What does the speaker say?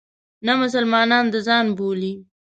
نه مسلمانان د ځان بولي.